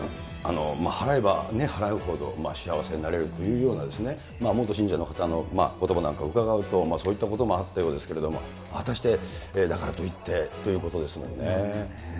払えば払うほど幸せになれるっていうような、元信者の方のことばなんかをうかがうと、そういったこともあったようですけれども、果たして、だからといってということですよね。